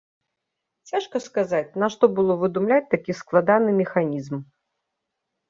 Цяжка сказаць, нашто было выдумляць такі складаны механізм.